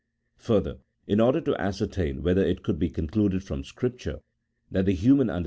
Further, in order to ascertain, whether it could be concluded from Scripture, that the human under THE PEEFACE.